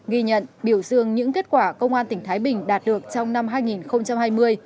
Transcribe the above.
ghi nhận biểu dương những kết quả công an tỉnh thái bình đạt được trong năm hai nghìn hai mươi